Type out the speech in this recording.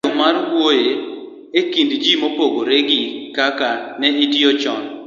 kaka yo mar wuoyo e kind ji mopogore gi kaka ne itiyo chon.